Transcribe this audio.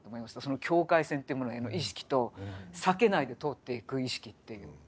その境界線っていうものへの意識と避けないで通っていく意識っていう。